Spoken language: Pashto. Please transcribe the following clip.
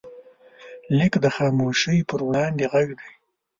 لیک د خاموشۍ پر وړاندې غږ دی.